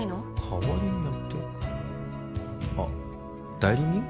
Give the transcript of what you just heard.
代わりにやってあ代理人？